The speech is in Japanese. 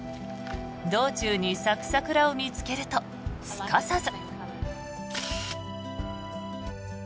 道中に咲く桜を見つけるとすかさず。